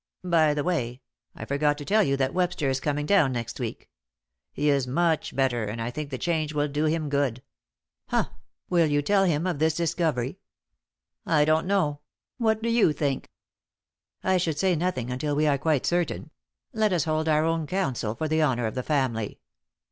"By the way, I forgot to tell you that Webster is coming down next week. He is much better, and I think the change will do him good." "Humph! Will you tell him of this discovery?" "I don't know. What do you think?" "I should say nothing until we are quite certain. Let us our own counsel for the honour of the family."